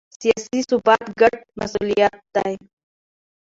سیاسي ثبات ګډ مسوولیت دی